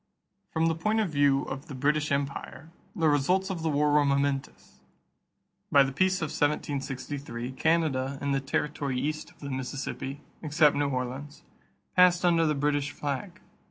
From the point of view of the British empire, the results of the war were momentous. By the peace of 1763, Canada and the territory east of the Mississippi, except New Orleans, passed under the British flag.